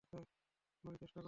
ভালোই চেষ্টা করেছ।